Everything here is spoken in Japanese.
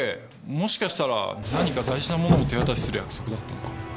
もしかしたら何か大事なものを手渡しする約束だったのかも。